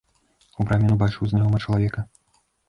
У браме ён убачыў знаёмага чалавека.